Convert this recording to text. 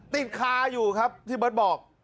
ติดคาอยู่ครับที่เบิร์ตบอก